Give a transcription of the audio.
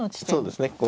そうですね。